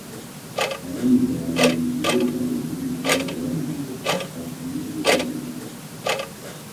Un monument lui est dédié dans l'Église Saint Helen's, Ashby-de-la-Zouch.